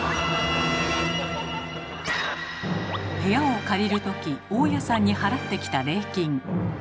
部屋を借りる時大家さんに払ってきた「礼金」。